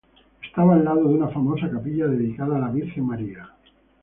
Estaba al lado de una famosa capilla dedicada a la Virgen María.